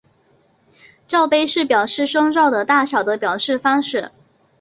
罩杯是表示胸罩的大小的表示方式。